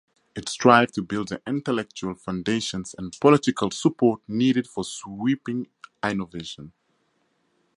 It strives to build the intellectual foundations and political support needed for sweeping innovation.